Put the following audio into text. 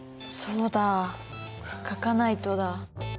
そうだ書かないとだ。